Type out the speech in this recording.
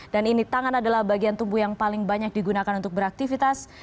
dan ini tangan adalah bagian tubuh yang paling banyak digunakan untuk beraktivitas